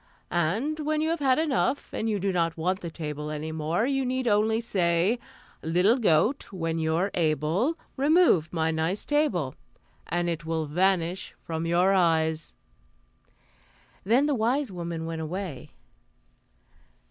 And when you have had enough, and you do not want the table any more, you need only say: "'Little goat, when you're able, Remove my nice table,' "and it will vanish from your eyes." Then the wise woman went away.